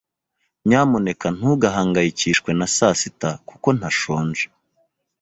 Nyamuneka ntugahangayikishwe na sasita kuko ntashonje.